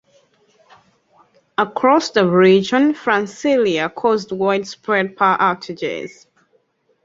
Across the region, Francelia caused widespread power outages.